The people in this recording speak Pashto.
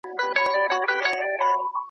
چي شېبه مخکي په ښکر وو نازېدلی .